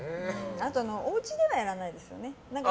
あと、おうちではやらないですよね。